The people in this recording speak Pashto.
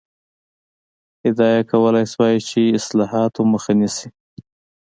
ادعا یې کولای شوای چې اصلاحاتو مخه نیسي.